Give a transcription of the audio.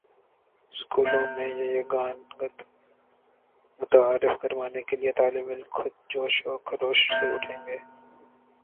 سکولوں میں یگانگت متعارف کروانے کے لیے طالب علم خود جوش و خروش سے اٹھیں گے